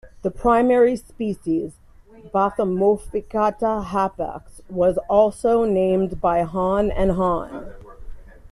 The primary species, "Bathmochoffatia hapax", was also named by Hahn and Hahn.